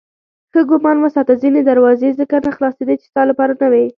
ښه ګمان وساته ځینې دروازې ځکه نه خلاصېدې چې ستا لپاره نه وې.